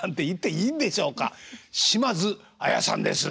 島津亜矢さんです。